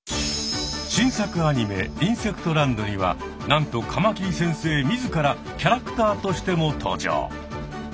新作アニメ「インセクトランド」にはなんとカマキリ先生自らキャラクターとしても登場。